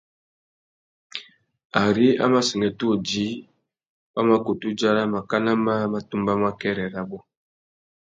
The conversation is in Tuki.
Ari a mà sangüetta udjï, wa mà kutu dzara màkánà mâā má tumbamú akêrê rabú.